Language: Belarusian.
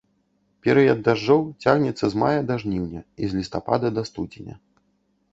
Перыяд дажджоў цягнецца з мая да жніўня, і з лістапада да студзеня.